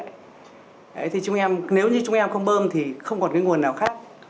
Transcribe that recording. thế thì chúng em nếu như chúng em không bơm thì không còn cái nguồn nào khác